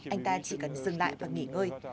anh ta chỉ cần dừng lại và nghỉ ngơi